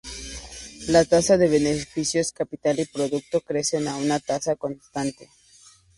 La tasa de beneficio, capital y producto crecen a una tasa constante.